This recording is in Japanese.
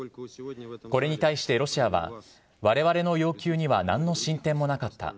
これに対してロシアは、われわれの要求にはなんの進展もなかった。